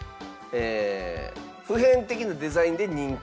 普遍的なデザインで人気の柄だと。